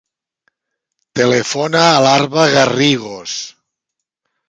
Telefona a l'Arwa Garrigos.